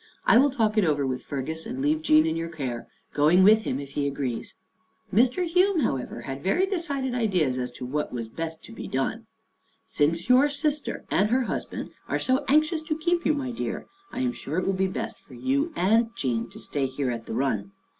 " I will talk it over with Fergus and leave Jean in your care, going with him, if he agrees." Mr. Hume, however, had very decided ideas as to what was best to be done. " Since your sister and her husband are so anxious to keep you, my dear, I am sure it will be best for you and Jean to stay here at the run.